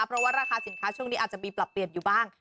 เพราะว่าราคาสินค้าช่วงนี้อาจจะมีปรับเปลี่ยนอยู่บ้าง